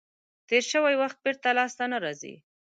تیر شوی وخت بېرته لاس ته نه راځي.